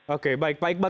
oke baik pak iqbal